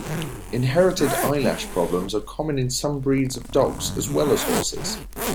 Inherited eyelash problems are common in some breeds of dogs as well as horses.